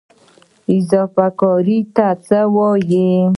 اضافه کاري څه ته وایي؟